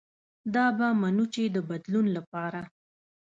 دا به منو چې د بدلون له پاره